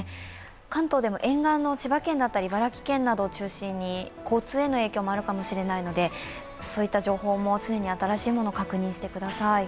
関東でも沿岸の千葉県や茨城県を中心に交通への影響もあるかもしれないのでそういった情報も常に新しいものを確認してください。